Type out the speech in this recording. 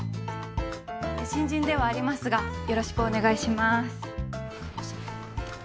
新人ではありますがよろしくお願いします。